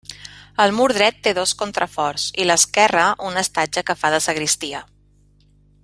El mur dret té dos contraforts i l'esquerra un estatge que fa de sagristia.